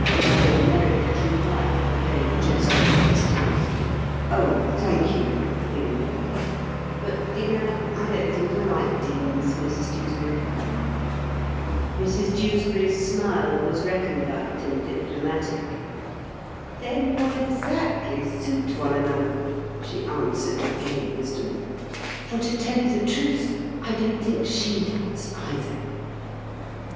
Alan Merrick drew back with a vague gesture of distaste. "Oh, thank you," he replied; "but, do you know, I don't think I like deans, Mrs Dewsbury." Mrs Dewsbury's smile was recondite and diplomatic. "Then you'll exactly suit one another," she answered with gay wisdom. "For, to tell you the truth, I don't think she does either."